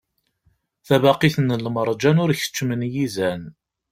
Tabaqit n lmerǧan ur keččmen yizan.